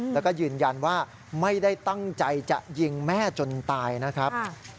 แล้วก็ยืนยันว่าไม่ได้ตั้งใจจะยิงแม่จนตายนะครับ